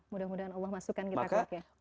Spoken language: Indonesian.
mudah mudahan allah masukkan kita ke dunia ini